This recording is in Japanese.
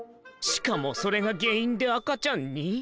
しかもそれが原因で赤ちゃんに？